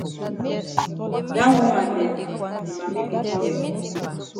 Dat woman dem be mami pikin dem.